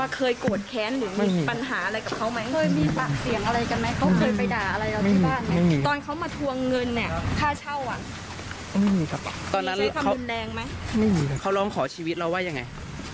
เขาลองขอชีวิตเราว่าอย่างไร